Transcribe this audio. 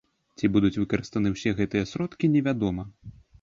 Ці будуць выкарыстаны ўсе гэтыя сродкі, невядома.